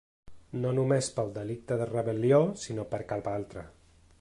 No només pel delicte de rebel·lió, sinó per cap altre.